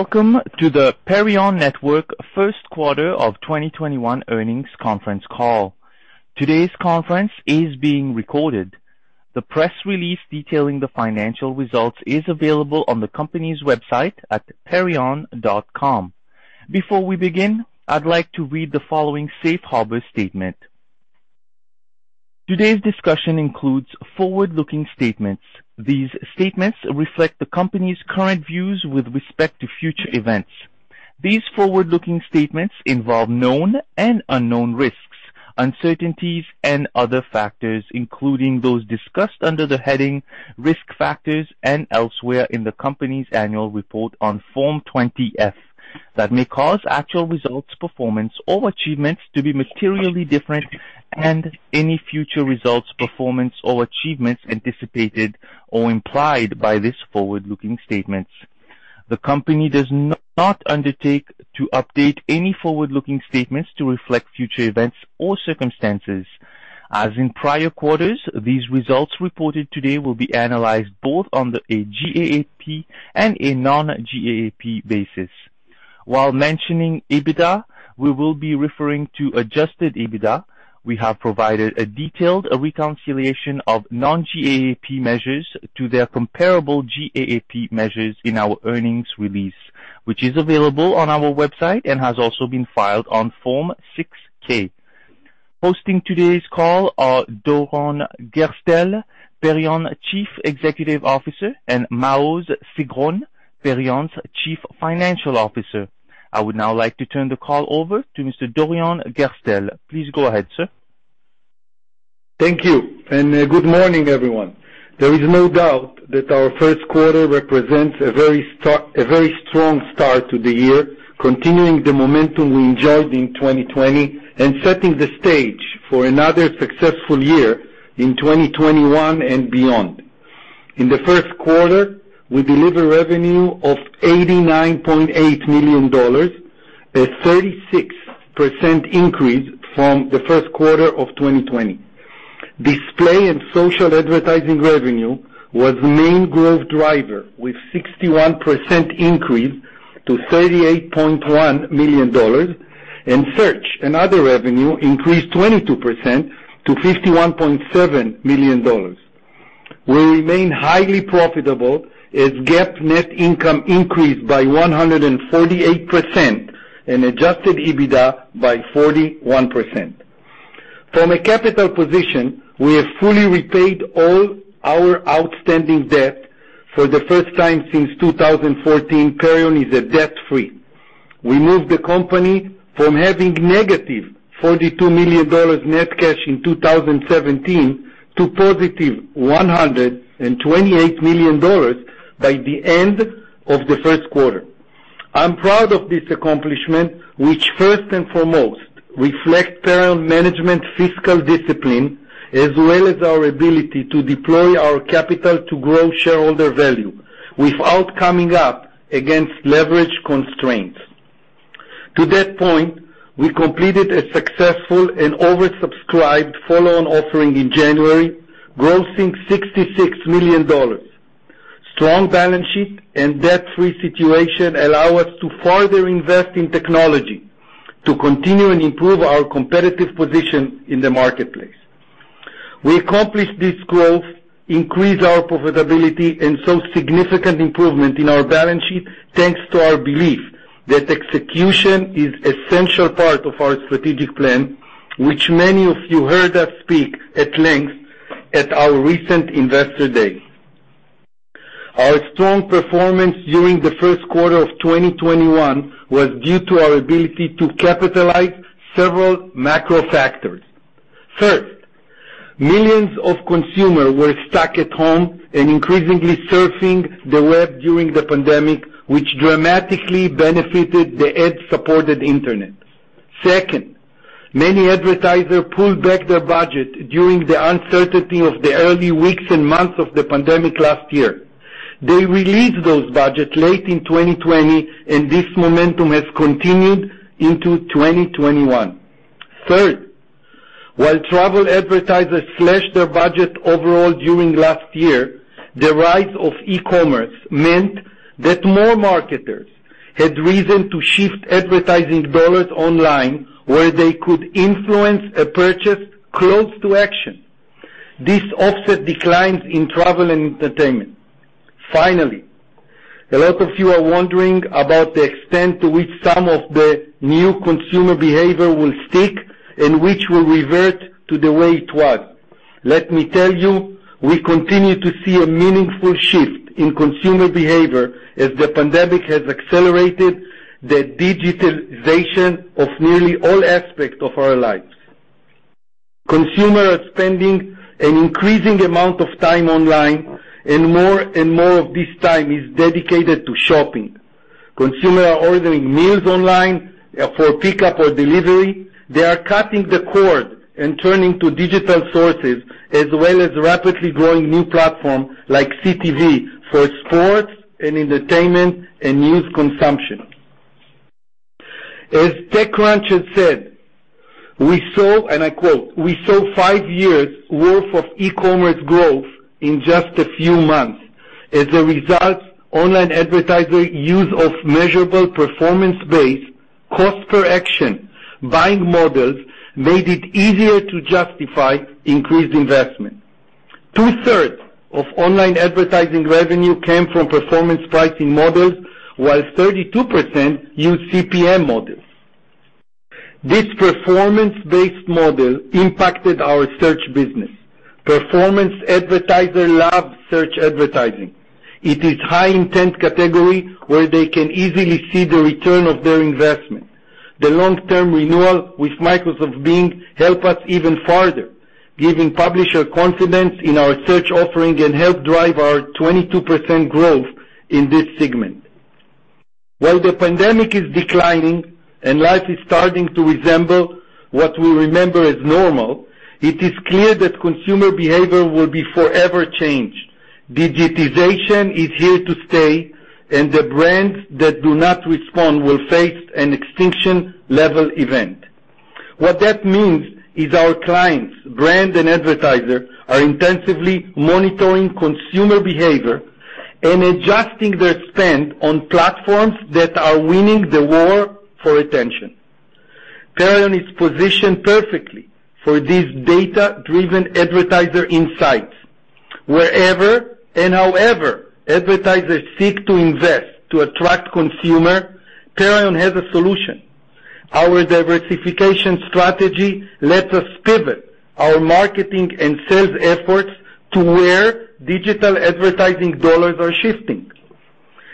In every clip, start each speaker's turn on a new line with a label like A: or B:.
A: Welcome to the Perion Network first quarter of 2021 earnings conference call. Today's conference is being recorded. The press release detailing the financial results is available on the company's website at perion.com. Before we begin, I'd like to read the following safe harbor statement. Today's discussion includes forward-looking statements. These statements reflect the company's current views with respect to future events. These forward-looking statements involve known and unknown risks, uncertainties, and other factors, including those discussed under the heading "Risk Factors" and elsewhere in the company's annual report on Form 20-F that may cause actual results, performance, or achievements to be materially different and any future results, performance, or achievements anticipated or implied by this forward-looking statement. The company does not undertake to update any forward-looking statements to reflect future events or circumstances. As in prior quarters, these results reported today will be analyzed both under a GAAP and a non-GAAP basis. While mentioning EBITDA, we will be referring to adjusted EBITDA. We have provided a detailed reconciliation of non-GAAP measures to their comparable GAAP measures in our earnings release, which is available on our website and has also been filed on Form 6-K. Hosting today's call are Doron Gerstel, Perion Chief Executive Officer, and Maoz Sigron, Perion's Chief Financial Officer. I would now like to turn the call over to Mr. Doron Gerstel. Please go ahead, sir.
B: Thank you. Good morning, everyone. There is no doubt that our first quarter represents a very strong start to the year, continuing the momentum we enjoyed in 2020 and setting the stage for another successful year in 2021 and beyond. In the first quarter, we delivered revenue of $89.8 million, a 36% increase from the first quarter of 2020. Display and social advertising revenue was the main growth driver, with 61% increase to $38.1 million. Search and other revenue increased 22% to $51.7 million. We remain highly profitable as GAAP net income increased by 148% and adjusted EBITDA by 41%. From a capital position, we have fully repaid all our outstanding debt. For the first time since 2014, Perion is debt-free. We moved the company from having negative $42 million net cash in 2017 to positive $128 million by the end of the first quarter. I'm proud of this accomplishment, which first and foremost reflects Perion management fiscal discipline as well as our ability to deploy our capital to grow shareholder value without coming up against leverage constraints. To that point, we completed a successful and oversubscribed follow-on offering in January, grossing $66 million. Strong balance sheet and debt-free situation allow us to further invest in technology to continue and improve our competitive position in the marketplace. We accomplished this growth, increased our profitability, and saw significant improvement in our balance sheet, thanks to our belief that execution is an essential part of our strategic plan, which many of you heard us speak at length at our recent Investor Day. Our strong performance during the first quarter of 2021 was due to our ability to capitalize several macro factors. First, millions of consumers were stuck at home and increasingly surfing the web during the pandemic, which dramatically benefited the ad-supported Internet. Second, many advertisers pulled back their budget during the uncertainty of the early weeks and months of the pandemic last year. They released those budgets late in 2020, and this momentum has continued into 2021. Third, while travel advertisers slashed their budget overall during last year, the rise of e-commerce meant that more marketers had reason to shift advertising dollars online, where they could influence a purchase close to action. This offset declines in travel and entertainment. A lot of you are wondering about the extent to which some of the new consumer behavior will stick and which will revert to the way it was. Let me tell you, we continue to see a meaningful shift in consumer behavior as the pandemic has accelerated the digitalization of nearly all aspects of our lives. Consumers are spending an increasing amount of time online, and more and more of this time is dedicated to shopping. Consumers are ordering meals online for pickup or delivery. They are cutting the cord and turning to digital sources, as well as rapidly growing new platforms like CTV for sports and entertainment and news consumption. As TechCrunch has said, and I quote, "We saw five years' worth of e-commerce growth in just a few months." As a result, online advertisers use of measurable performance-based cost per action buying models made it easier to justify increased investment. Two-thirds of online advertising revenue came from performance pricing models, whilst 32% used CPM models. This performance-based model impacted our search business. Performance advertisers love search advertising. It is high intent category where they can easily see the return of their investment. The long-term renewal with Microsoft Bing help us even further, giving publisher confidence in our search offering and help drive our 22% growth in this segment. While the pandemic is declining and life is starting to resemble what we remember as normal, it is clear that consumer behavior will be forever changed. Digitization is here to stay. The brands that do not respond will face an extinction-level event. What that means is our clients, brands, and advertisers are intensively monitoring consumer behavior and adjusting their spend on platforms that are winning the war for attention. Perion is positioned perfectly for these data-driven advertiser insights. Wherever and however advertisers seek to invest to attract consumer, Perion has a solution. Our diversification strategy lets us pivot our marketing and sales efforts to where digital advertising dollars are shifting.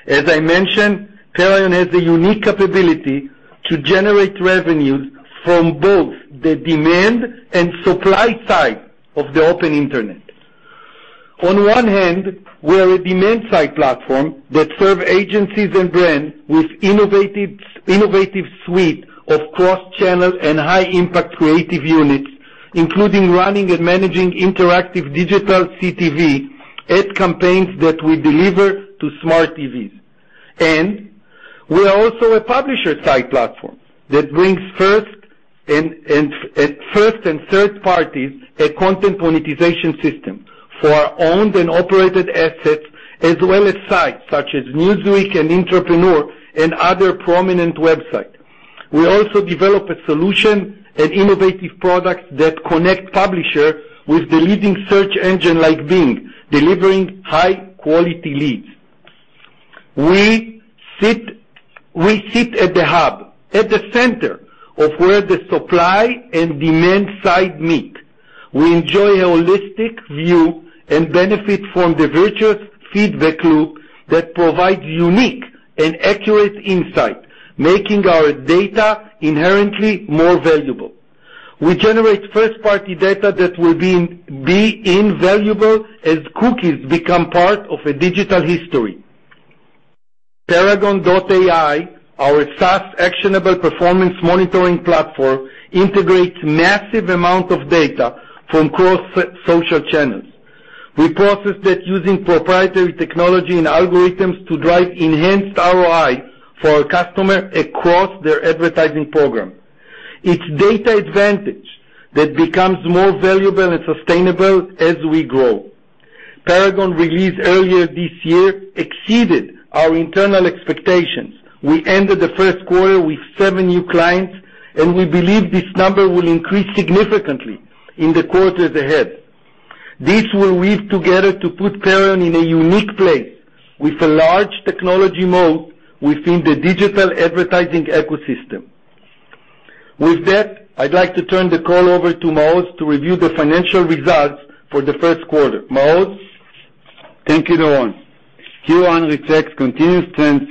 B: As I mentioned, Perion has a unique capability to generate revenues from both the demand and supply side of the open internet. On one hand, we're a demand-side platform that serve agencies and brands with innovative suite of cross-channel and high-impact creative units, including running and managing interactive digital CTV ad campaigns that we deliver to smart TVs. We are also a publisher-side platform that brings first and third parties a content monetization system for our owned and operated assets, as well as sites such as Newsweek and Entrepreneur and other prominent websites. We also develop a solution and innovative products that connect publishers with the leading search engine like Bing, delivering high-quality leads. We sit at the hub, at the center of where the supply and demand side meet. We enjoy a holistic view and benefit from the virtuous feedback loop that provides unique and accurate insight, making our data inherently more valuable. We generate first-party data that will be invaluable as cookies become part of a digital history. Paragone.ai, our SaaS Actionable Performance Monitoring platform, integrates massive amount of data from cross social channels. We process that using proprietary technology and algorithms to drive enhanced ROI for our customer across their advertising program. It's data advantage that becomes more valuable and sustainable as we grow. Paragone release earlier this year exceeded our internal expectations. We ended the first quarter with seven new clients, and we believe this number will increase significantly in the quarters ahead. This will weave together to put Perion in a unique place with a large technology moat within the digital advertising ecosystem. With that, I'd like to turn the call over to Maoz to review the financial results for the first quarter. Maoz?
C: Thank you, Doron Gerstel. Q1 reflects continuous trends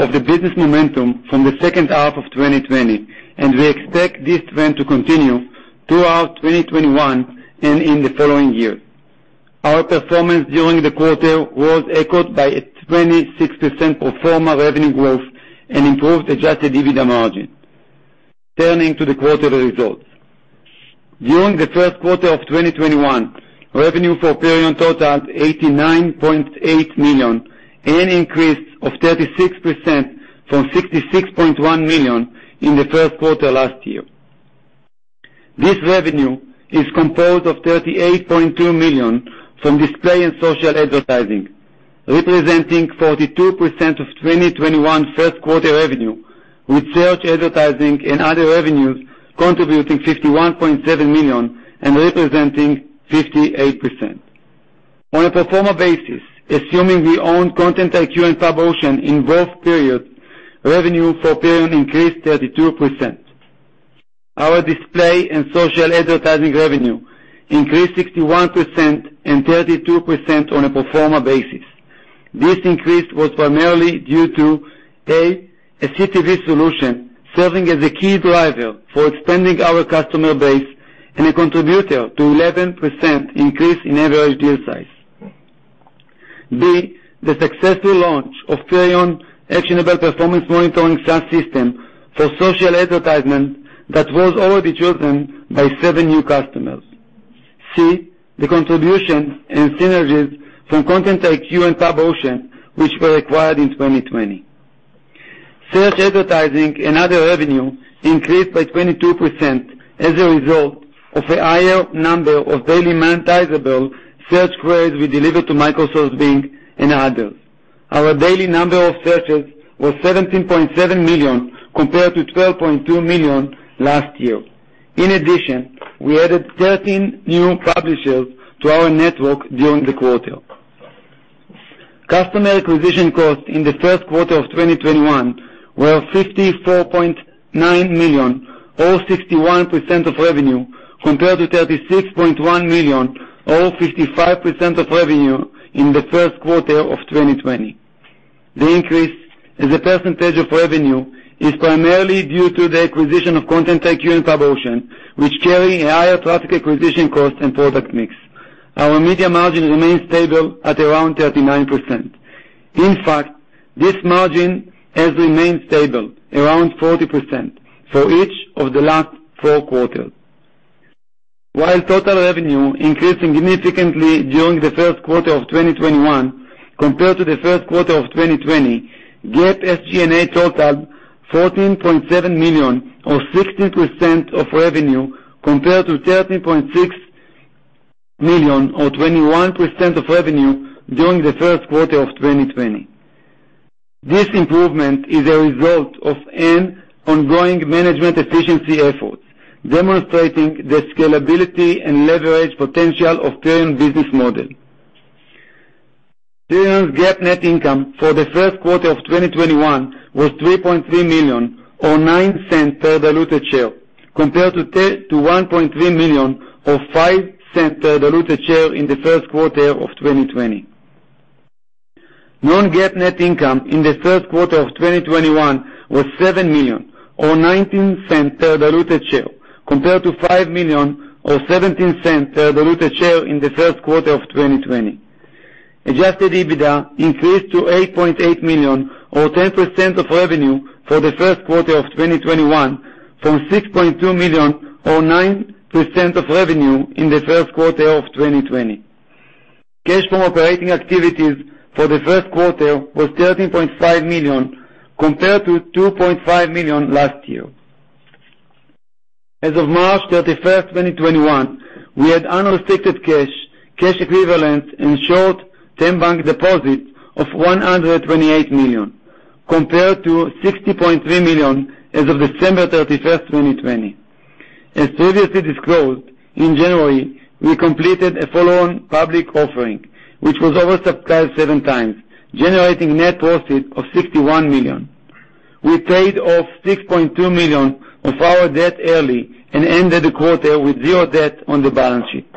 C: of the business momentum from the second half of 2020, and we expect this trend to continue throughout 2021 and in the following years. Our performance during the quarter was echoed by a 26% pro forma revenue growth and improved adjusted EBITDA margin. Turning to the quarterly results. During the first quarter of 2021, revenue for Perion Network totaled $89.8 million, an increase of 36% from $66.1 million in the first quarter last year. This revenue is composed of $38.2 million from display and social advertising, representing 42% of 2021 first quarter revenue, with search advertising and other revenues contributing $51.7 million and representing 58%. On a pro forma basis, assuming we own ContentIQ and Pub Ocean in both periods, revenue for Perion Network increased 32%. Our display and social advertising revenue increased 61% and 32% on a pro forma basis. This increase was primarily due to, A. A CTV solution serving as a key driver for expanding our customer base and a contributor to 11% increase in average deal size. B. The successful launch of Perion Actionable Performance Monitoring, SaaS system for social advertisement that was already chosen by seven new customers. C. The contributions and synergies from ContentIQ and Pub Ocean, which were acquired in 2020. Search advertising and other revenue increased by 22% as a result of a higher number of daily monetizable search queries we delivered to Microsoft Bing and others. Our daily number of searches was 17.7 million, compared to 12.2 million last year. In addition, we added 13 new publishers to our network during the quarter. Customer acquisition costs in the first quarter of 2021 were $54.9 million or 61% of revenue, compared to $36.1 million or 55% of revenue in the first quarter of 2020. The increase as a percentage of revenue is primarily due to the acquisition of ContentIQ and Pub Ocean, which carry a higher traffic acquisition cost and product mix. Our media margin remains stable at around 39%. In fact, this margin has remained stable around 40% for each of the last four quarters. While total revenue increased significantly during the first quarter of 2021 compared to the first quarter of 2020, GAAP SG&A totaled $14.7 million or 16% of revenue compared to $13.6 million or 21% of revenue during the first quarter of 2020. This improvement is a result of an ongoing management efficiency effort, demonstrating the scalability and leverage potential of Perion business model. Perion's GAAP net income for the first quarter of 2021 was $3.3 million or $0.09 per diluted share, compared to $1.3 million or $0.05 per diluted share in the first quarter of 2020. Non-GAAP net income in the first quarter of 2021 was $7 million or $0.19 per diluted share, compared to $5 million or $0.17 per diluted share in the first quarter of 2020. Adjusted EBITDA increased to $8.8 million or 10% of revenue for the first quarter of 2021 from $6.2 million or 9% of revenue in the first quarter of 2020. Cash from operating activities for the first quarter was $13.5 million compared to $2.5 million last year. As of March 31st, 2021, we had unrestricted cash equivalents, and short-term bank deposits of $128 million, compared to $60.3 million as of December 31st, 2020. As previously disclosed, in January, we completed a follow-on public offering, which was oversubscribed seven times, generating net proceeds of $61 million. We paid off $6.2 million of our debt early and ended the quarter with zero debt on the balance sheet.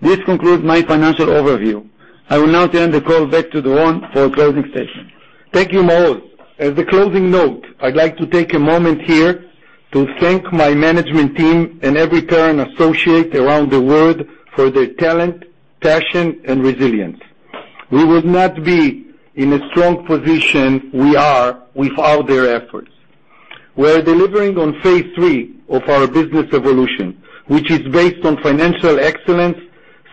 C: This concludes my financial overview. I will now turn the call back to Doron for our closing statements.
B: Thank you, Maoz. As a closing note, I'd like to take a moment here to thank my management team and every Perion associate around the world for their talent, passion, and resilience. We would not be in a strong position we are without their efforts. We're delivering on phase III of our business evolution, which is based on financial excellence,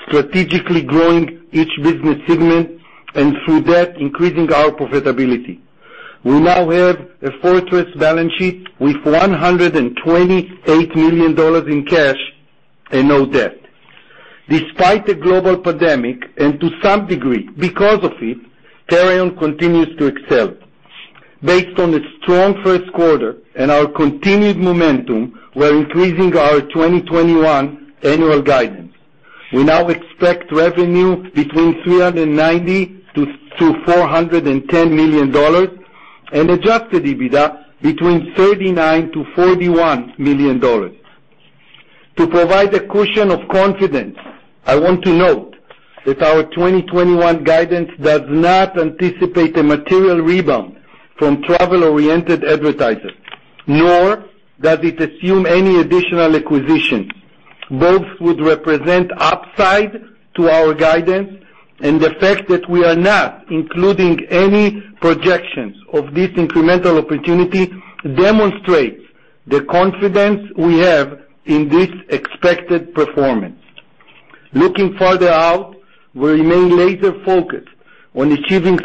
B: strategically growing each business segment, and through that, increasing our profitability. We now have a fortress balance sheet with $128 million in cash and no debt. Despite the global pandemic, and to some degree, because of it, Perion continues to excel. Based on a strong first quarter and our continued momentum, we're increasing our 2021 annual guidance. We now expect revenue between $390 million-$410 million and adjusted EBITDA between $39 million-$41 million. To provide a cushion of confidence, I want to note that our 2021 guidance does not anticipate a material rebound from travel-oriented advertisers, nor does it assume any additional acquisitions. Both would represent upside to our guidance, and the fact that we are not including any projections of these incremental opportunities demonstrates the confidence we have in this expected performance. Looking further out, we remain laser-focused on achieving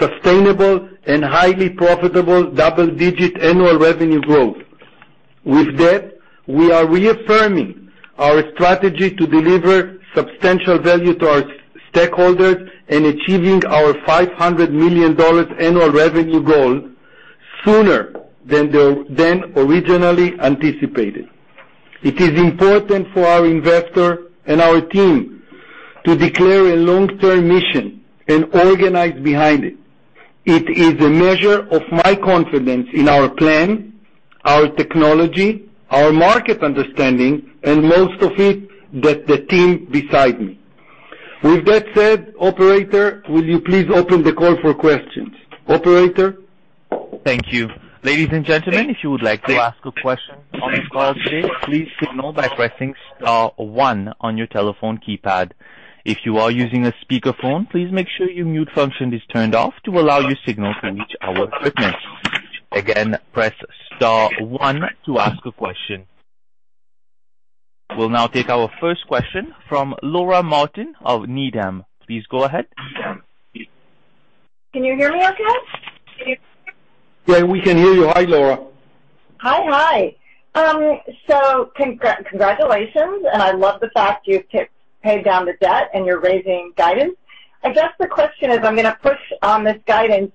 B: sustainable and highly profitable double-digit annual revenue growth. With that, we are reaffirming our strategy to deliver substantial value to our stakeholders and achieving our $500 million annual revenue goal sooner than originally anticipated. It is important for our investor and our team to declare a long-term mission and organize behind it. It is a measure of my confidence in our plan, our technology, our market understanding, and most of it, that the team beside me. With that said, operator, will you please open the call for questions? Operator?
A: Thank you. Ladies and gentlemen, if you would like to ask a question on the call today, please signal by pressing star one on your telephone keypad. If you are using a speakerphone, please make sure your mute function is turned off to allow your signal to reach our equipment. Again, press star one to ask a question. We'll now take our first question from Laura Martin of Needham. Please go ahead.
D: Can you hear me okay?
B: We can hear you. Hi, Laura.
D: Hi. Congratulations, and I love the fact you've paid down the debt and you're raising guidance. I guess the question is, I'm going to push on this guidance.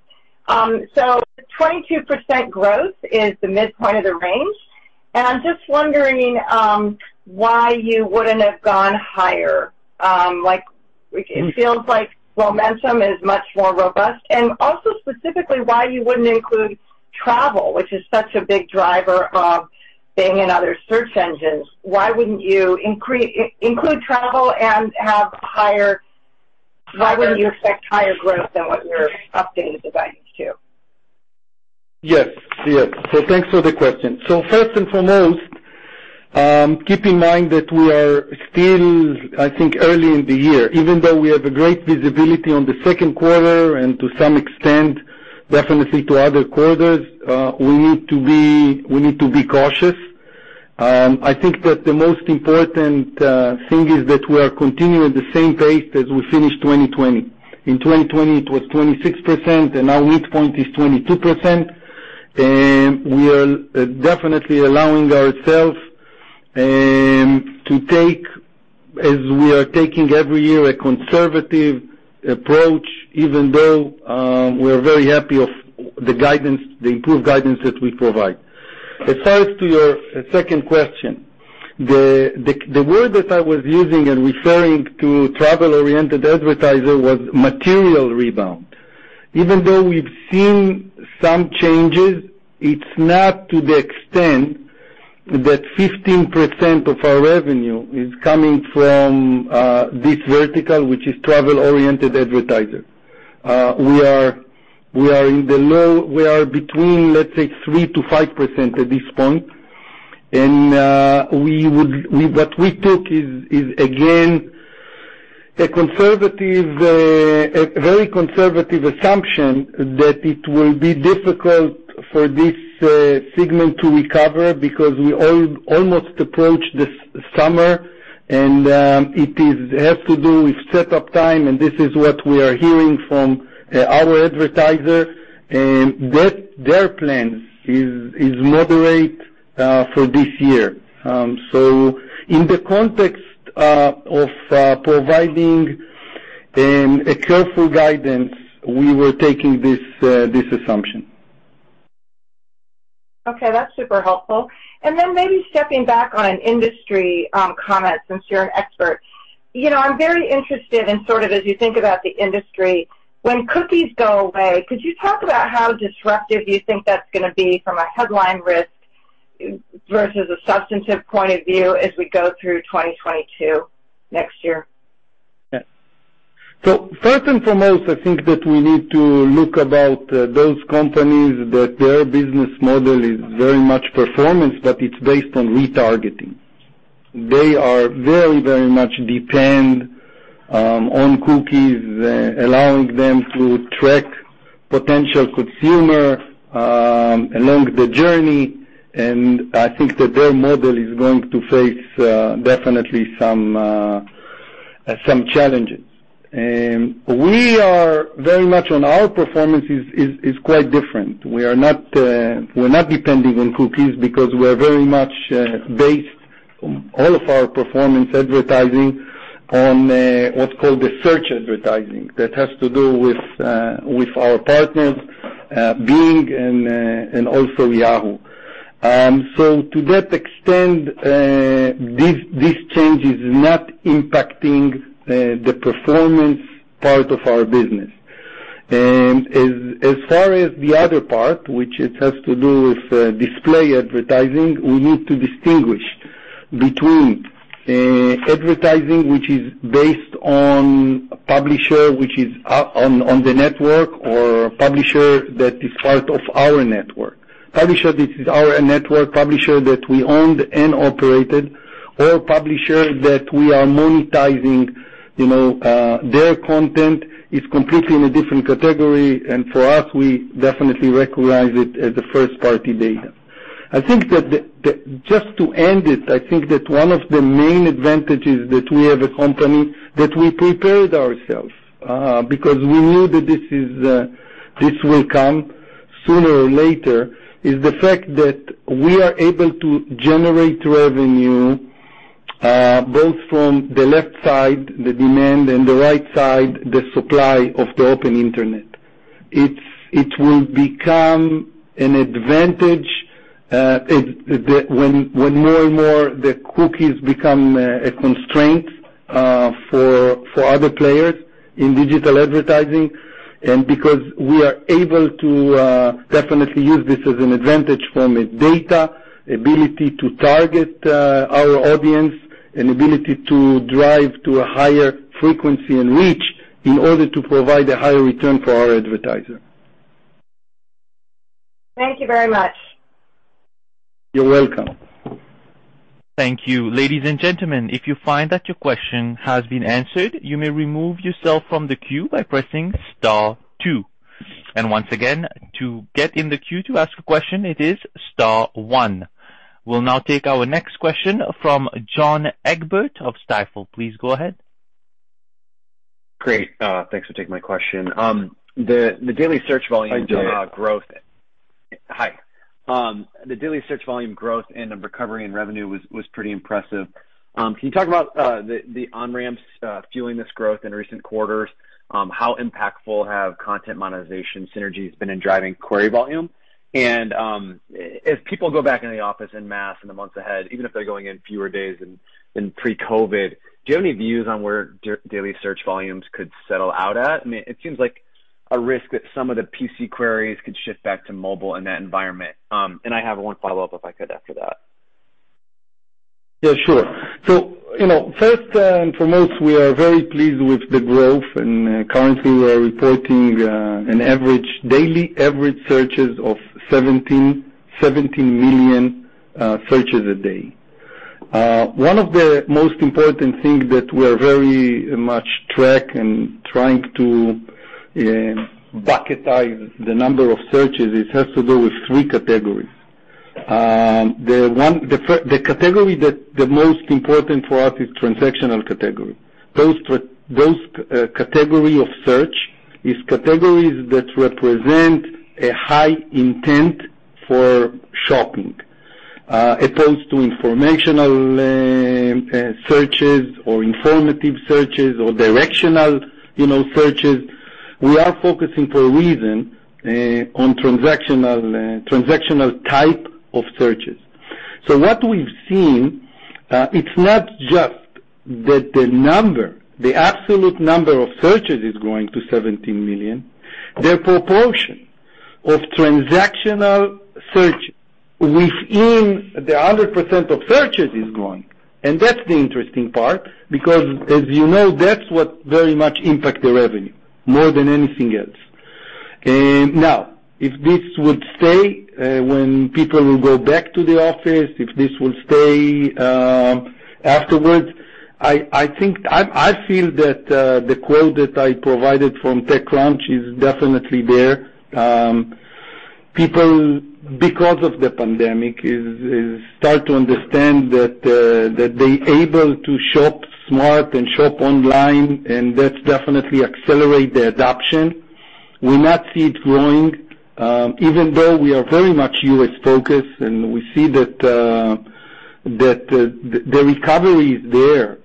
D: 22% growth is the midpoint of the range, and I'm just wondering why you wouldn't have gone higher. It feels like momentum is much more robust, and also specifically why you wouldn't include travel, which is such a big driver of Bing and other search engines. Why wouldn't you include travel? Why wouldn't you expect higher growth than what you're updating the guidance to?
B: Yes. Thanks for the question. First and foremost, keep in mind that we are still, I think, early in the year. Even though we have a great visibility on the second quarter and to some extent, definitely to other quarters, we need to be cautious. I think that the most important thing is that we are continuing the same pace as we finished 2020. In 2020, it was 26%, and now midpoint is 22%, and we are definitely allowing ourselves to take, as we are taking every year, a conservative approach, even though we're very happy of the improved guidance that we provide. As far as to your second question, the word that I was using and referring to travel-oriented advertiser was material rebound. Even though we've seen some changes, it's not to the extent that 15% of our revenue is coming from this vertical, which is travel-oriented advertisers. We are between, let's say, 3%-5% at this point. What we took is, again, a very conservative assumption that it will be difficult for this segment to recover because we almost approach this summer, and it has to do with set up time, and this is what we are hearing from our advertisers, and their plan is moderate for this year. In the context of providing a careful guidance, we were taking this assumption.
D: Okay, that's super helpful. Maybe stepping back on an industry comment, since you're an expert. I'm very interested in sort of as you think about the industry, when cookies go away, could you talk about how disruptive you think that's going to be from a headline risk versus a substantive point of view as we go through 2022 next year?
B: First and foremost, I think that we need to look about those companies that their business model is very much performance, but it's based on retargeting. They are very much depend on cookies, allowing them to track potential consumer along the journey. I think that their model is going to face definitely some challenges. We are very much on our performance is quite different. We're not depending on cookies because we're very much based all of our performance advertising on what's called the search advertising, that has to do with our partners, Bing and also Yahoo. To that extent, this change is not impacting the performance part of our business. As far as the other part, which it has to do with display advertising, we need to distinguish between advertising which is based on publisher, which is on the network or a publisher that is part of our network. Publisher that is our network, publisher that we owned and operated, or publisher that we are monetizing their content is completely in a different category, and for us, we definitely recognize it as a first-party data. Just to end it, I think that one of the main advantages that we have a company, that we prepared ourselves because we knew that this will come sooner or later, is the fact that we are able to generate revenue both from the left side, the demand, and the right side, the supply of the open internet. It will become an advantage when more and more the cookies become a constraint for other players in digital advertising and because we are able to definitely use this as an advantage from a data ability to target our audience and ability to drive to a higher frequency and reach in order to provide a higher return for our advertiser.
D: Thank you very much.
B: You're welcome.
A: Thank you. Ladies and gentlemen, if you find that your question has been answered, you may remove yourself from the queue by pressing star two. Once again, to get in the queue to ask a question, it is star one. We'll now take our next question from John Egbert of Stifel. Please go ahead.
E: Great. Thanks for taking my question. The daily search volume growth-
B: Hi, John.
E: Hi. The daily search volume growth and the recovery in revenue was pretty impressive. Can you talk about the on-ramps fueling this growth in recent quarters? How impactful have content monetization synergies been in driving query volume? As people go back in the office en masse in the months ahead, even if they're going in fewer days than pre-COVID, do you have any views on where daily search volumes could settle out at? It seems like a risk that some of the PC queries could shift back to mobile in that environment. I have one follow-up, if I could, after that.
B: Yeah, sure. First and foremost, we are very pleased with the growth, and currently we are reporting daily average searches of 17 million searches a day. One of the most important things that we very much track and trying to bucketize the number of searches, it has to do with three categories. The category that the most important for us is transactional category. Those category of search is categories that represent a high intent for shopping. Opposed to informational searches or informative searches or directional searches. We are focusing for a reason on transactional type of searches. What we've seen, it's not just that the absolute number of searches is growing to 17 million. The proportion of transactional searches within the 100% of searches is growing, and that's the interesting part because as you know, that's what very much impact the revenue more than anything else. If this would stay when people will go back to the office, if this will stay afterwards, I feel that the quote that I provided from TechCrunch is definitely there. People, because of the pandemic, start to understand that they able to shop smart and shop online, and that definitely accelerate the adoption. We not see it growing, even though we are very much U.S.-focused, and we see that the recovery is there.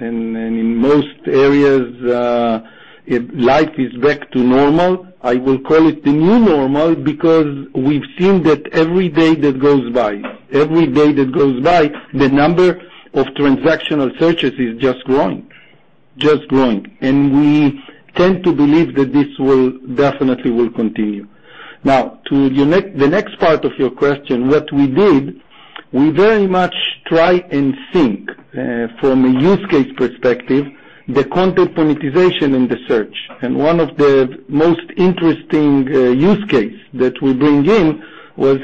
B: In most areas, life is back to normal. I will call it the new normal because we've seen that every day that goes by, the number of transactional searches is just growing. Just growing. We tend to believe that this definitely will continue. To the next part of your question, what we did, we very much try and think from a use case perspective, the content monetization in the search. One of the most interesting use case that we bring in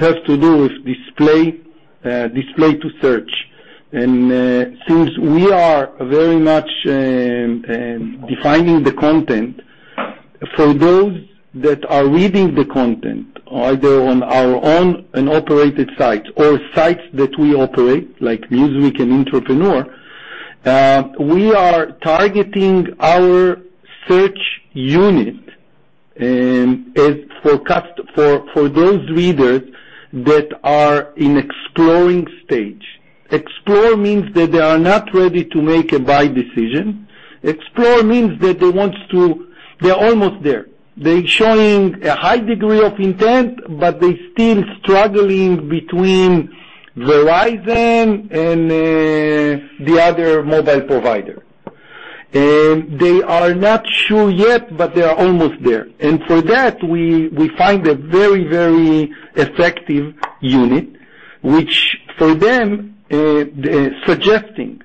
B: has to do with display to search. Since we are very much defining the content for those that are reading the content, either on our own and operated sites or sites that we operate, like Newsweek and Entrepreneur, we are targeting our search unit for those readers that are in exploring stage. Explore means that they are not ready to make a buy decision. Explore means that they're almost there. They're showing a high degree of intent, but they still struggling between Verizon and the other mobile provider. They are not sure yet, but they are almost there. For that, we find a very, very effective unit, which for them, suggesting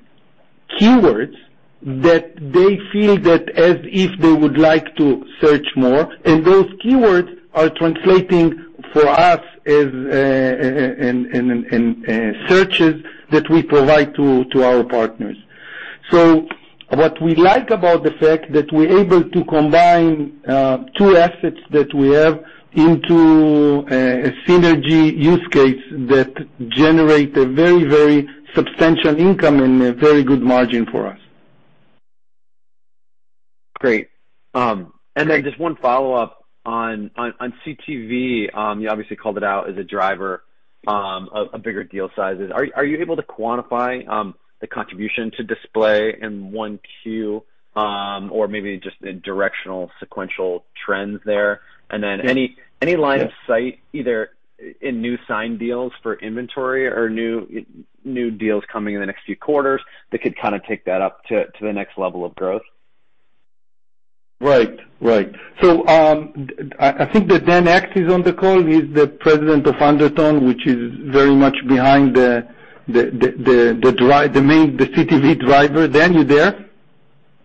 B: keywords that they feel that as if they would like to search more, and those keywords are translating for us in searches that we provide to our partners. What we like about the fact that we're able to combine two assets that we have into a synergy use case that generate a very, very substantial income and a very good margin for us.
E: Great. Just one follow-up on CTV. You obviously called it out as a driver of bigger deal sizes. Are you able to quantify the contribution to display in 1Q or maybe just in directional sequential trends there? Any line of sight, either in new signed deals for inventory or new deals coming in the next few quarters that could kind of take that up to the next level of growth?
B: I think that Dan Aks is on the call. He's the president of Undertone, which is very much behind the CTV driver. Dan, you there?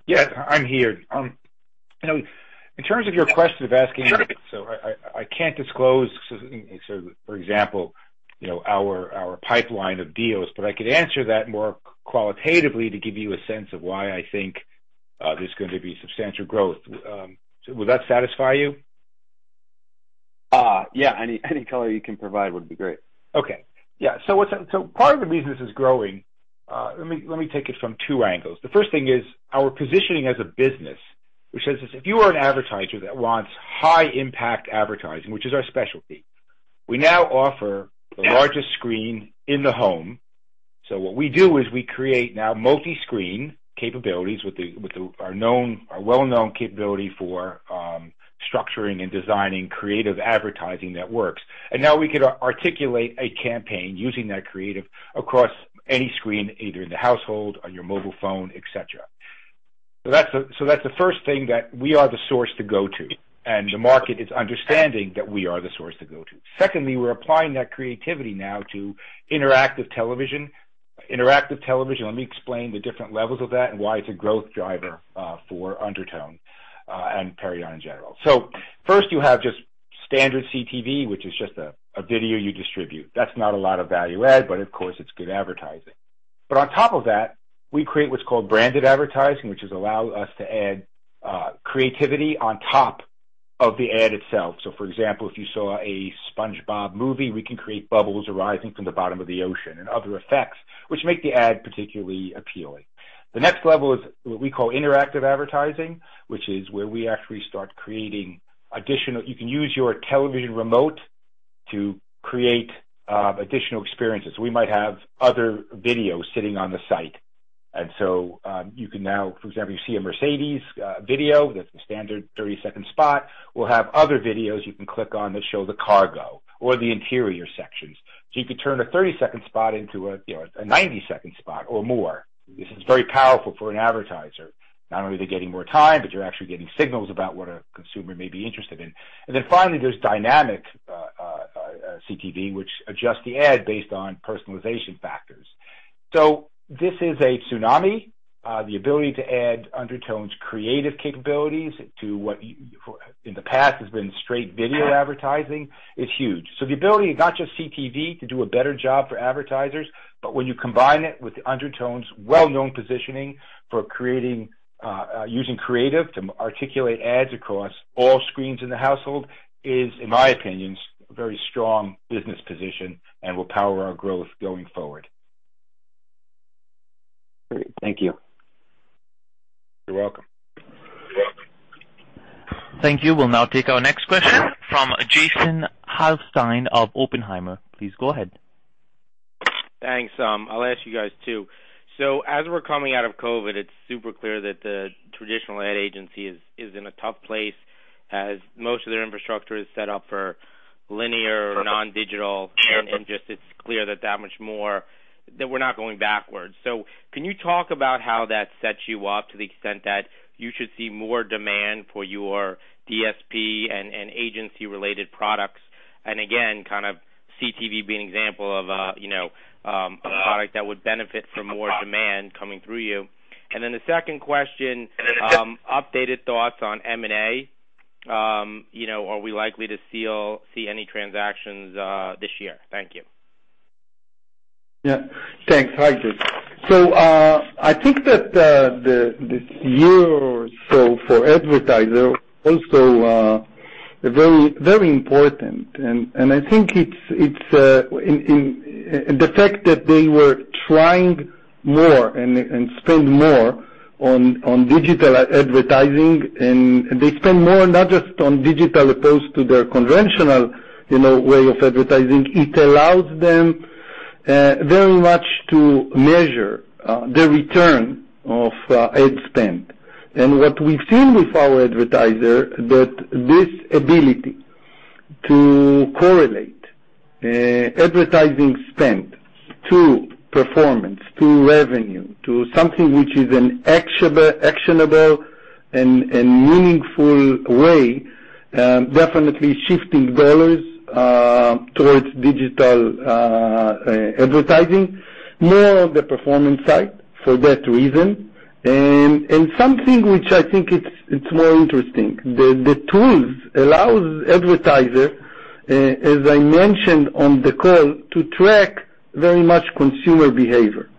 F: Yes, I'm here. In terms of your question of asking-
E: Sure.
F: I can't disclose, for example, our pipeline of deals, but I could answer that more qualitatively to give you a sense of why I think there's going to be substantial growth. Will that satisfy you?
E: Yeah. Any color you can provide would be great.
F: Okay. Yeah. Part of the reason this is growing, let me take it from two angles. The first thing is our positioning as a business, which says this, if you are an advertiser that wants high impact advertising, which is our specialty, we now offer the largest screen in the home. What we do is we create now multi-screen capabilities with our well-known capability for structuring and designing creative advertising that works. Now we could articulate a campaign using that creative across any screen, either in the household, on your mobile phone, et cetera. That's the first thing that we are the source to go to, and the market is understanding that we are the source to go to. Secondly, we're applying that creativity now to interactive television. Interactive television, let me explain the different levels of that and why it's a growth driver for Undertone and Perion in general. First you have just standard CTV, which is just a video you distribute. That's not a lot of value add, but of course it's good advertising. On top of that, we create what's called branded advertising, which allow us to add creativity on top of the ad itself. For example, if you saw a SpongeBob movie, we can create bubbles arising from the bottom of the ocean and other effects which make the ad particularly appealing. The next level is what we call interactive advertising, which is where we actually start creating additional experiences. We might have other videos sitting on the site. You can now, for example, you see a Mercedes-Benz video that's a standard 30-second spot. We'll have other videos you can click on that show the cargo or the interior sections. You could turn a 30-second spot into a 90-second spot or more. This is very powerful for an advertiser. Not only are they getting more time, but you're actually getting signals about what a consumer may be interested in. Finally, there's dynamic CTV, which adjusts the ad based on personalization factors. This is a tsunami. The ability to add Undertone's creative capabilities to what in the past has been straight video advertising is huge. The ability, not just CTV, to do a better job for advertisers, but when you combine it with Undertone's well-known positioning for using creative to articulate ads across all screens in the household is, in my opinion, a very strong business position and will power our growth going forward.
E: Great. Thank you.
F: You're welcome.
B: You're welcome.
A: Thank you. We'll now take our next question from Jason Helfstein of Oppenheimer. Please go ahead.
G: Thanks. I'll ask you guys, too. As we're coming out of COVID, it's super clear that the traditional ad agency is in a tough place as most of their infrastructure is set up for linear, non-digital. Just it's clear that we're not going backwards. Can you talk about how that sets you up to the extent that you should see more demand for your DSP and agency-related products? Again, kind of CTV being an example of a product that would benefit from more demand coming through you. Then the second question, updated thoughts on M&A. Are we likely to see any transactions this year? Thank you.
B: Yeah. Thanks. Hi, Jason. I think that this year or so for advertisers also very important. I think the fact that they were trying more and spend more on digital advertising, and they spend more not just on digital opposed to their conventional way of advertising, it allows them very much to measure the return on ad spend. What we've seen with our advertiser, that this ability to correlate advertising spend to performance, to revenue, to something which is an actionable and meaningful way, definitely shifting dollars towards digital advertising, more on the performance side for that reason. Something which I think it's more interesting, the tools allows advertisers, as I mentioned on the call, to track very much consumer behavior.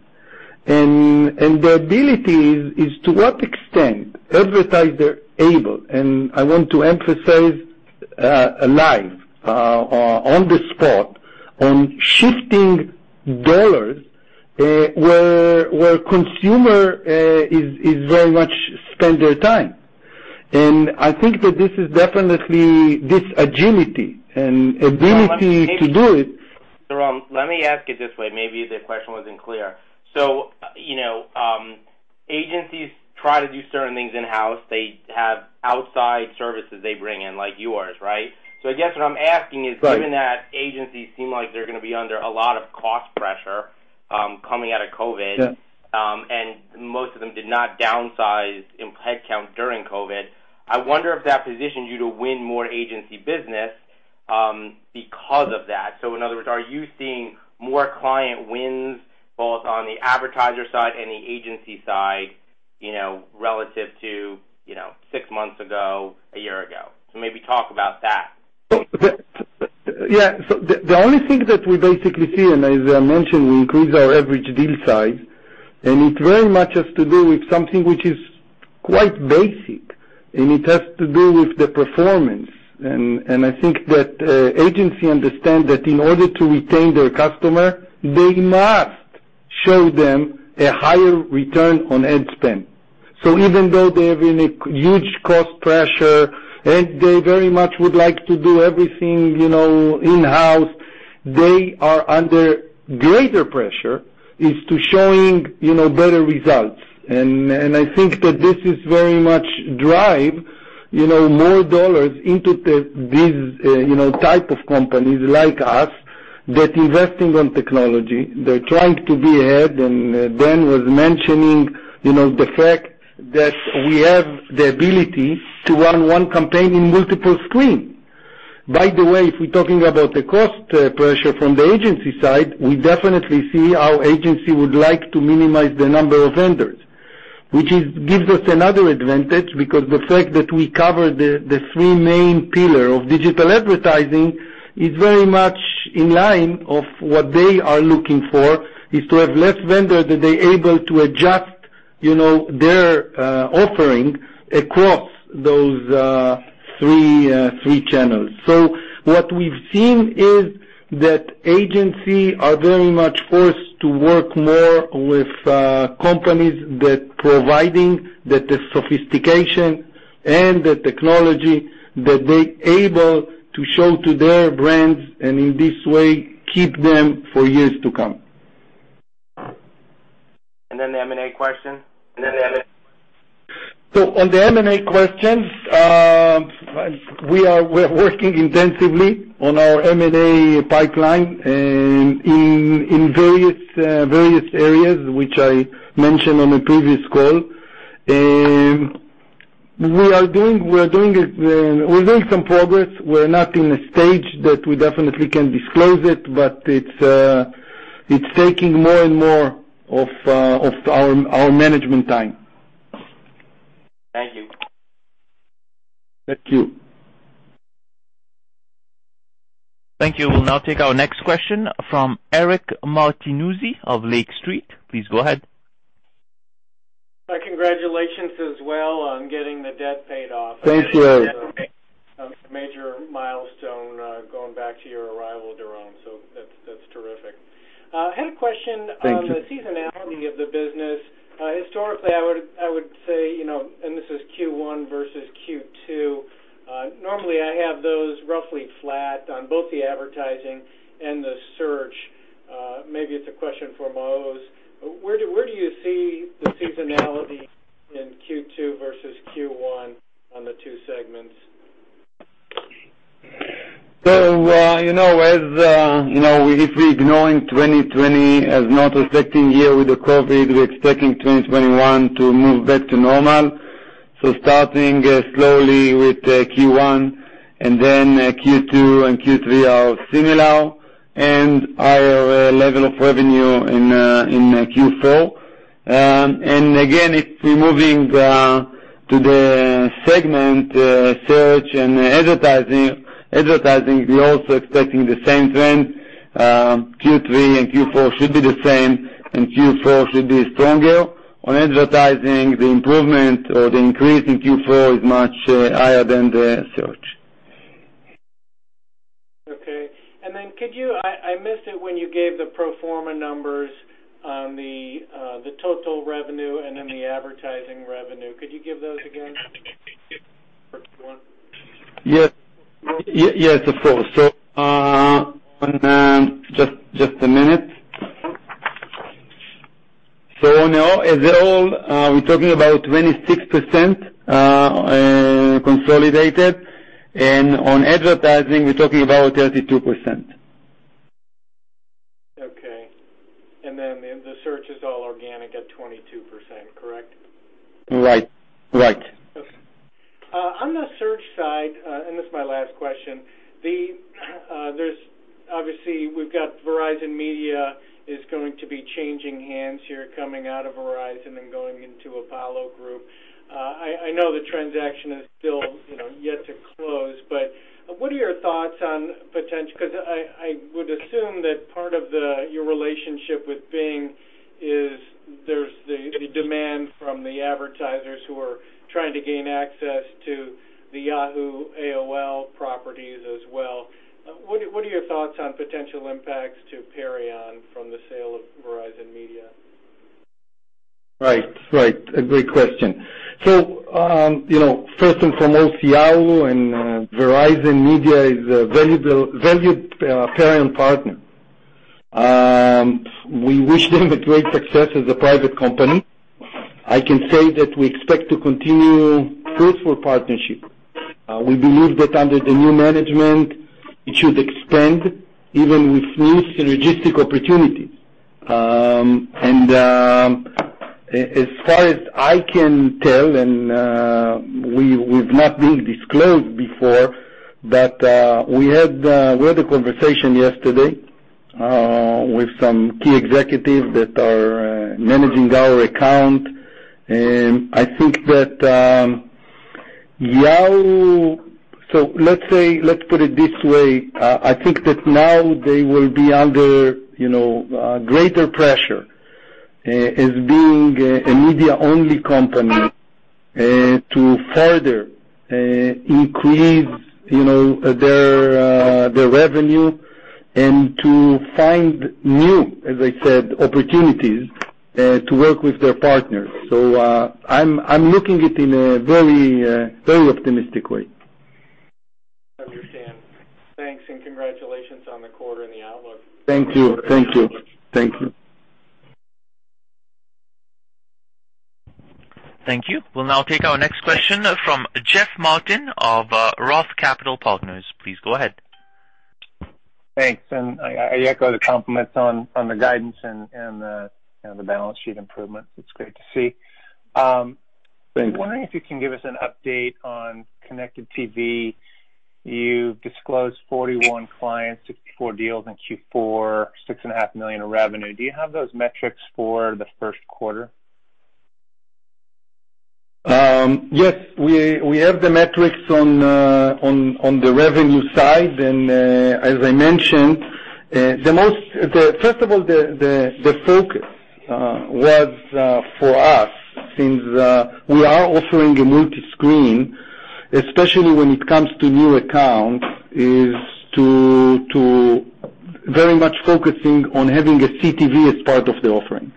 B: The ability is to what extent advertiser able, I want to emphasize live, on the spot, on shifting dollars, where consumer is very much spend their time. I think that this is definitely this agility and ability to do it.
G: Doron, let me ask it this way. Maybe the question wasn't clear. Agencies try to do certain things in-house. They have outside services they bring in, like yours, right? I guess what I'm asking is.
B: Right
G: given that agencies seem like they're going to be under a lot of cost pressure coming out of COVID.
B: Yeah
G: Most of them did not downsize in headcount during COVID, I wonder if that positions you to win more agency business because of that. In other words, are you seeing more client wins both on the advertiser side and the agency side relative to six months ago, a year ago? Maybe talk about that.
B: Yeah. The only thing that we basically see, and as I mentioned, we increase our average deal size, and it very much has to do with something which is quite basic, and it has to do with the performance. I think that agency understand that in order to retain their customer, they must show them a higher return on ad spend. Even though they're in a huge cost pressure and they very much would like to do everything in-house, they are under greater pressure is to showing better results. I think that this is very much drive more dollar into these type of companies like us that investing on technology. They're trying to be ahead, and Dan was mentioning the fact that we have the ability to run one campaign in multiple screen. If we're talking about the cost pressure from the agency side, we definitely see our agency would like to minimize the number of vendors. Gives us another advantage because the fact that we cover the three main pillar of digital advertising is very much in line of what they are looking for, is to have less vendor that they able to adjust their offering across those three channels. What we've seen is that agency are very much forced to work more with companies that providing the sophistication and the technology that they able to show to their brands, and in this way, keep them for years to come.
G: The M&A question?
B: On the M&A question, we're working intensively on our M&A pipeline and in various areas which I mentioned on a previous call. We're doing some progress. We're not in a stage that we definitely can disclose it, but it's taking more and more of our management time.
G: Thank you.
B: Thank you.
A: Thank you. We'll now take our next question from Eric Martinuzzi of Lake Street. Please go ahead.
H: Hi, congratulations as well on getting the debt paid off.
B: Thank you.
H: A major milestone going back to your arrival, Doron, so that's terrific. I had a question.
B: Thank you.
H: on the seasonality of the business. Historically, I would say, this is Q1 versus Q2, normally I have those roughly flat on both the advertising and the search. Maybe it's a question for Maoz. Where do you see the seasonality in Q2 versus Q1 on the two segments?
C: If we're ignoring 2020 as not reflecting year with the COVID, we're expecting 2021 to move back to normal. Starting slowly with Q1 and then Q2 and Q3 are similar, and our level of revenue in Q4. Again, if we're moving to the segment, search and advertising, we're also expecting the same trend. Q3 and Q4 should be the same, and Q4 should be stronger. On advertising, the improvement or the increase in Q4 is much higher than the search.
H: Okay. Could you, I missed it when you gave the pro forma numbers on the total revenue and then the advertising revenue. Could you give those again?
C: Yes, of course. Just a minute. As a whole, we're talking about 26% consolidated, and on advertising, we're talking about 32%.
H: Okay. Then the search is all organic at 22%, correct?
C: Right.
H: Okay. On the search side, this is my last question, obviously we've got Verizon Media is going to be changing hands here, coming out of Verizon and going into Apollo Global Management. I know the transaction is still yet to close, what are your thoughts on potential, because I would assume that part of your relationship with Bing is there's the demand from the advertisers who are trying to gain access to the Yahoo, AOL properties as well. What are your thoughts on potential impacts to Perion from the sale of Verizon Media?
B: Right. A great question. First and foremost, Yahoo and Verizon Media is a valued Perion partner. We wish them a great success as a private company. I can say that we expect to continue fruitful partnership. We believe that under the new management, it should expand even with new synergistic opportunities. As far as I can tell, and we've not been disclosed before, but we had a conversation yesterday with some key executives that are managing our account, and I think that now let's put it this way. I think that now they will be under greater pressure as being a media-only company to further increase their revenue and to find new, as I said, opportunities to work with their partners. I'm looking at it in a very optimistic way.
H: Understand. Thanks, and congratulations on the quarter and the outlook.
B: Thank you.
A: Thank you. We'll now take our next question from Jeff Martin of Roth Capital Partners. Please go ahead.
I: Thanks. I echo the compliments on the guidance and the balance sheet improvements. It's great to see.
B: Thank you.
I: I was wondering if you can give us an update on connected TV. You've disclosed 41 clients, 64 deals in Q4, $6.5 million Of revenue. Do you have those metrics for the first quarter?
B: Yes. We have the metrics on the revenue side, and as I mentioned, first of all, the focus was for us, since we are offering a multi-screen, especially when it comes to new accounts, is to very much focusing on having a CTV as part of the offering.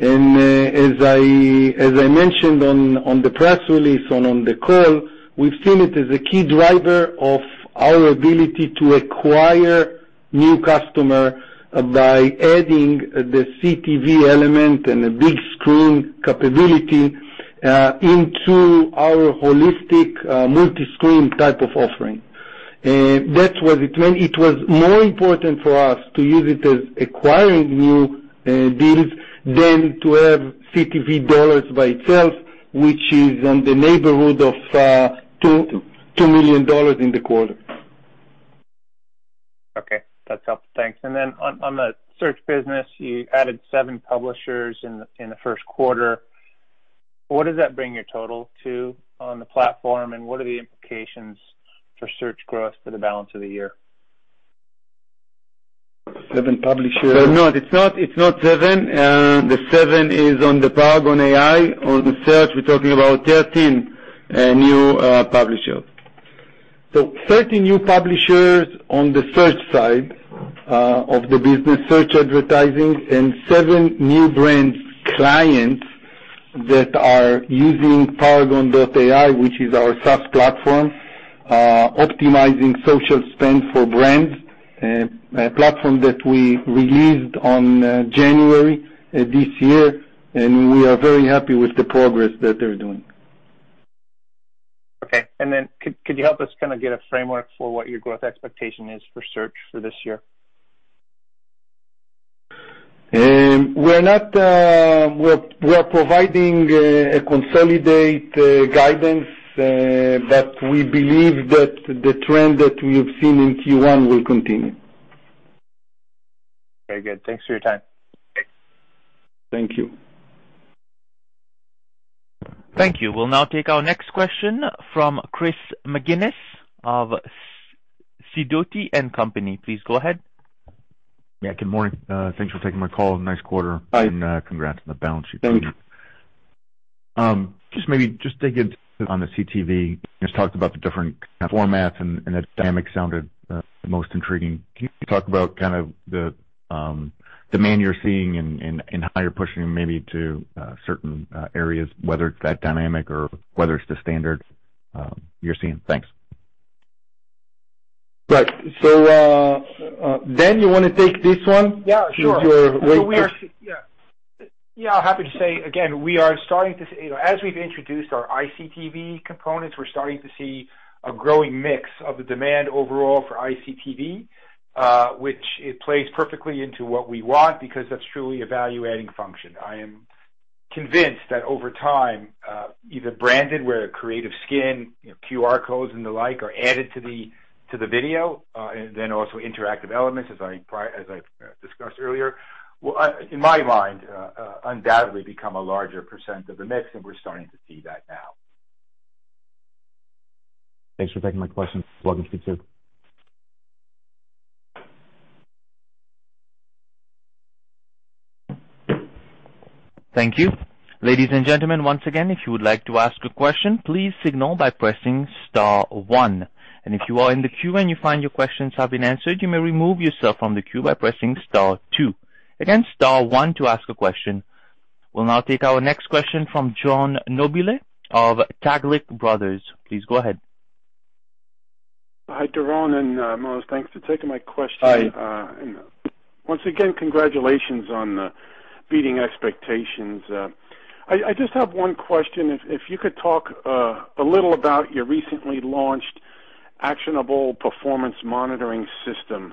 B: As I mentioned on the press release and on the call, we've seen it as a key driver of our ability to acquire new customer by adding the CTV element and a big screen capability into our holistic multi-screen type of offering. It was more important for us to use it as acquiring new deals than to have CTV dollars by itself, which is in the neighborhood of $2 million in the quarter.
I: Okay. That's helpful. Thanks. On the search business, you added seven publishers in the first quarter. What does that bring your total to on the platform, and what are the implications for search growth for the balance of the year? Seven publishers.
B: No, it's not seven. The seven is on the Paragone.ai. On the search, we're talking about 13 new publishers. 13 new publishers on the search side of the business, search advertising, and seven new brands clients that are using Paragone.ai, which is our SaaS platform, optimizing social spend for brands, a platform that we released on January this year, and we are very happy with the progress that they're doing.
I: Okay. Could you help us kind of get a framework for what your growth expectation is for search for this year?
B: We're providing a consolidated guidance that we believe that the trend that we have seen in Q1 will continue.
I: Very good. Thanks for your time.
B: Thank you.
A: Thank you. We'll now take our next question from Chris McGinnis of Sidoti & Company. Please go ahead.
J: Yeah, good morning. Thanks for taking my call. Nice quarter.
B: Hi.
J: Congrats on the balance sheet.
B: Thank you.
J: Just maybe dig into on the CTV, just talked about the different kind of formats and the dynamic sounded the most intriguing. Can you talk about kind of the demand you're seeing and how you're pushing maybe to certain areas, whether it's that dynamic or whether it's the standard you're seeing? Thanks.
B: Right. Dan, you want to take this one?
F: Yeah, sure.
B: Since you're right-
F: Yeah. Yeah, I'm happy to say again, as we've introduced our ICTV components, we're starting to see a growing mix of the demand overall for ICTV, which it plays perfectly into what we want because that's truly a value-adding function. I am convinced that over time, either branded, where a creative skin, QR codes, and the like are added to the video, and then also interactive elements, as I've discussed earlier, in my mind, undoubtedly become a larger percent of the mix, and we're starting to see that now.
J: Thanks for taking my question. Welcome to Q2.
A: Thank you. Ladies and gentlemen, once again, if you would like to ask a question, please signal by pressing star one. If you are in the queue and you find your questions have been answered, you may remove yourself from the queue by pressing star two. Again, star one to ask a question. We'll now take our next question from John Nobile of Taglich Brothers. Please go ahead.
K: Hi, Doron and Maoz. Thanks for taking my question.
B: Hi.
K: Once again, congratulations on beating expectations. I just have one question. If you could talk a little about your recently launched Actionable Performance Monitoring system.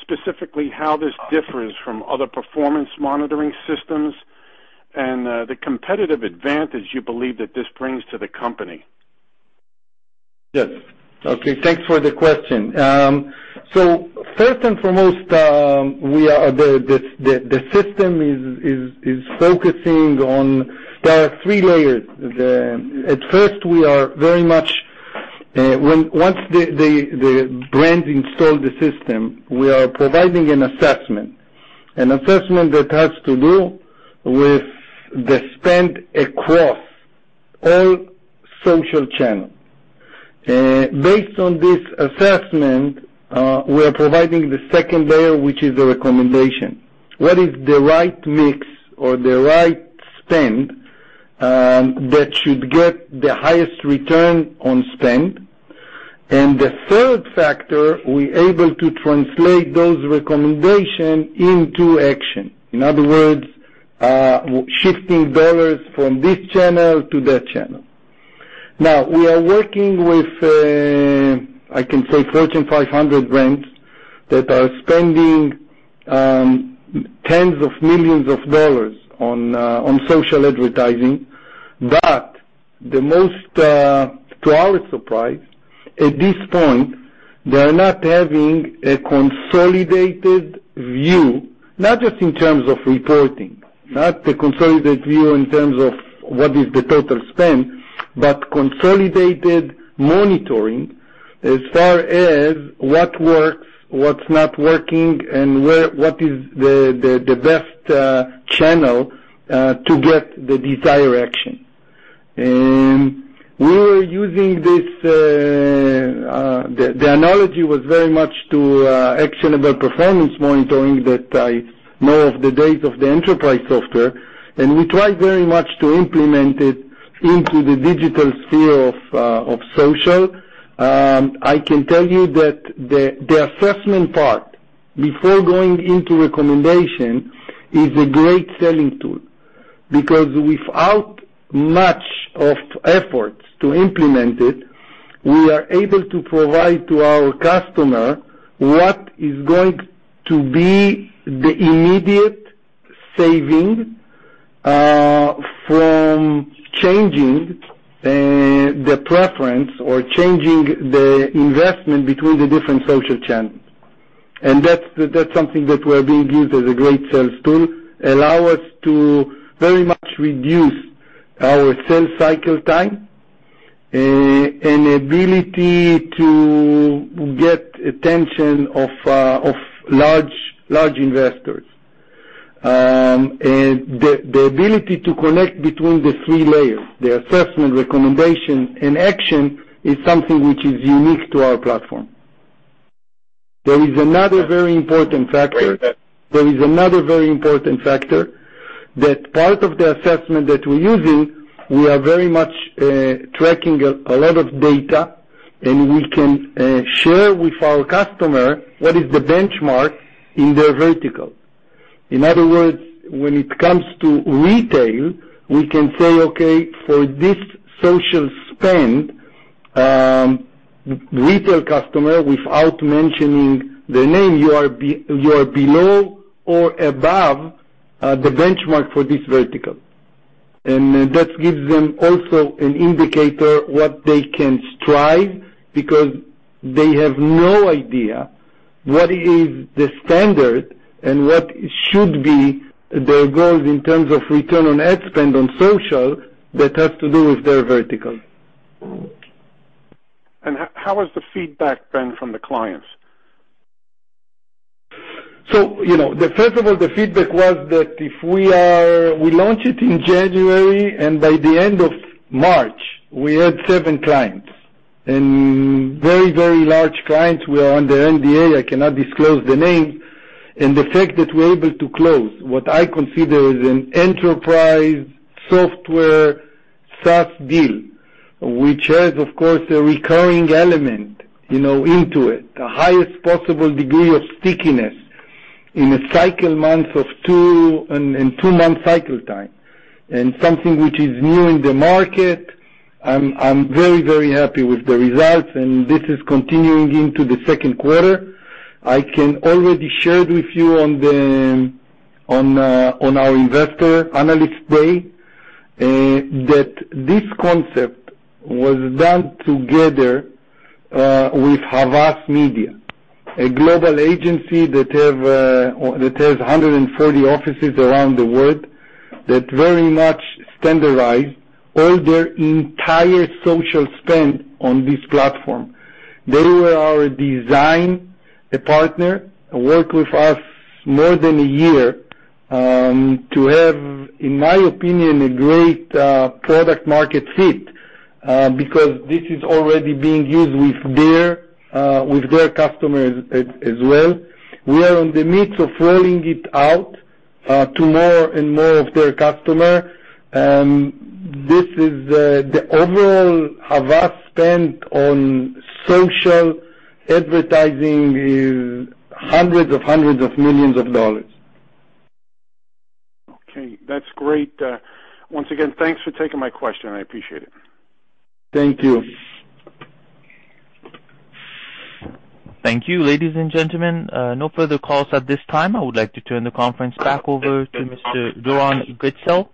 K: Specifically how this differs from other performance monitoring systems and the competitive advantage you believe that this brings to the company.
B: Yes. Okay. Thanks for the question. First and foremost, there are three layers. At first, once the brand installs the system, we are providing an assessment. An assessment that has to do with the spend across all social channels. Based on this assessment, we are providing the second layer, which is the recommendation. What is the right mix or the right spend that should get the highest return on spend? The third factor, we're able to translate those recommendations into action. In other words, shifting dollars from this channel to that channel. Now, we are working with, I can say Fortune 500 brands that are spending tens of millions of dollars on social advertising. To our surprise, at this point, they are not having a consolidated view, not just in terms of reporting, not the consolidated view in terms of what is the total spend, but consolidated monitoring as far as what works, what's not working, and what is the best channel to get the desired action. The analogy was very much to Actionable Performance Monitoring that I know of the days of the enterprise software, and we tried very much to implement it into the digital sphere of social. I can tell you that the assessment part, before going into recommendation, is a great selling tool because without much effort to implement it, we are able to provide to our customer what is going to be the immediate saving from changing the preference or changing the investment between the different social channels. That's something that we're being used as a great sales tool, allow us to very much reduce our sales cycle time, and ability to get attention of large investors. The ability to connect between the three layers, the assessment, recommendation, and action, is something which is unique to our platform. There is another very important factor that part of the assessment that we're using, we are very much tracking a lot of data, and we can share with our customer what is the benchmark in their vertical. In other words, when it comes to retail, we can say, okay, for this social spend, retail customer, without mentioning the name, you are below or above the benchmark for this vertical. That gives them also an indicator what they can strive because they have no idea what is the standard and what should be their goals in terms of return on ad spend on social that has to do with their vertical.
K: How has the feedback been from the clients?
B: First of all, the feedback was that we launched it in January, and by the end of March, we had seven clients, and very large clients. We are under NDA. I cannot disclose the names. The fact that we're able to close what I consider is an enterprise software SaaS deal, which has, of course, a recurring element into it, the highest possible degree of stickiness in a cycle month of two and two-month cycle time, and something which is new in the market. I'm very happy with the results, and this is continuing into the second quarter. I can already share with you on our investor analyst day that this concept was done together with Havas Media, a global agency that has 140 offices around the world that very much standardized all their entire social spend on this platform. They were our design partner, worked with us more than a year to have, in my opinion, a great product market fit because this is already being used with their customers as well. We are in the midst of rolling it out to more and more of their customers. The overall Havas spend on social advertising is hundreds of hundreds of millions of dollars.
K: Okay. That's great. Once again, thanks for taking my question. I appreciate it.
B: Thank you.
A: Thank you. Ladies and gentlemen, no further calls at this time. I would like to turn the conference back over to Mr. Doron Gerstel.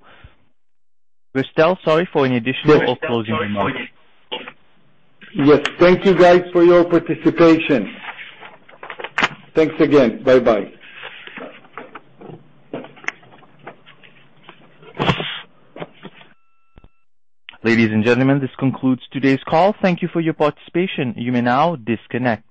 A: Gerstel, sorry, for any additional or closing remarks.
B: Yes. Thank you guys for your participation. Thanks again. Bye-bye.
A: Ladies and gentlemen, this concludes today's call. Thank you for your participation. You may now disconnect.